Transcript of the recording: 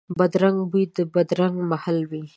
بدرنګ بوی، بدرنګ محل وي